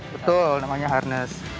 betul namanya harness